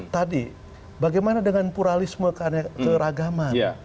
tadi bagaimana dengan pluralisme karena keragaman